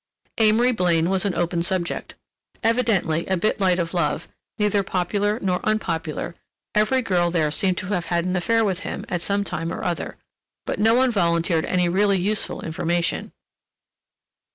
Amory Blaine was an open subject. Evidently a bit light of love, neither popular nor unpopular—every girl there seemed to have had an affair with him at some time or other, but no one volunteered any really useful information.